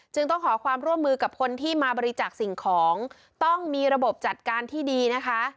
ต้องขอความร่วมมือกับคนที่มาบริจาคสิ่งของต้องมีระบบจัดการที่ดีนะคะ